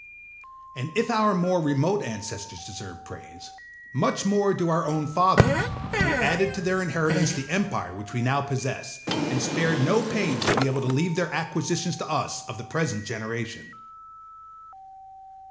And if our more remote ancestors deserve praise, much more do our own fathers, who added to their inheritance the empire which we now possess, and spared no pains to be able to leave their acquisitions to us of the present generation.